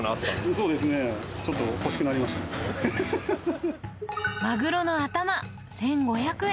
そうですね、ちょっと、マグロの頭１５００円。